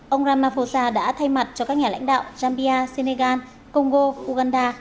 ông ramaphosa đã thay mặt cho các nhà lãnh đạo zambia senegal congo uganda